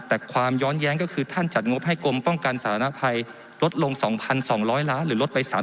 แต่ความย้อนแย้งก็คือท่านจัดงบให้กรมป้องกันสารภัยลดลง๒๒๐๐ล้านหรือลดไป๓๐